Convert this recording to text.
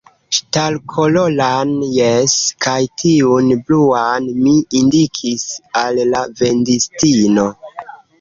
Ŝtalkoloran, jes, kaj tiun bluan, – mi indikis al la vendistino.